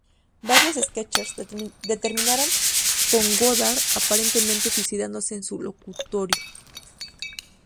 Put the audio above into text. Varios "sketches" terminaron con Godard aparentemente suicidándose en su locutorio.